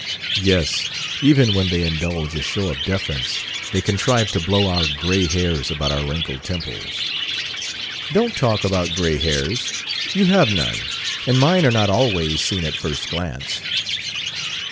"Yes, even when they indulge a show of deference, they contrive to blow our gray hairs about our wrinkled temples." "Don't talk about gray hairs. You have none; and mine are not always seen at first glance."